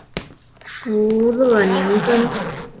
弗勒宁根。